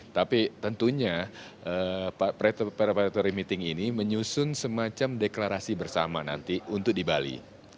tapi tentunya preparatory meeting ini menyusun semacam deklarasi bersama nanti untuk di bali